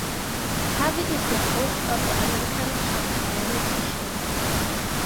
Harvey is the host of the American talk-variety show.